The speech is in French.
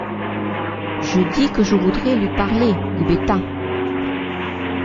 Je dis que je voudrais lui parler, Gubetta.